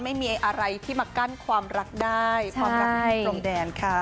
ไม่มีอะไรที่มากั้นความรักได้ความรักของพรมแดนค่ะ